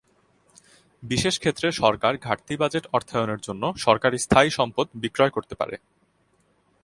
বিশেষ ক্ষেত্রে সরকার ঘাটতি বাজেট অর্থায়নের জন্য সরকারি স্থায়ী সম্পদ বিক্রয় করতে পারে।